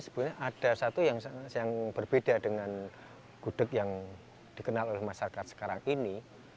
sebenarnya ada satu yang berbeda dengan gudeg yang dikenal oleh masyarakat sekarang ini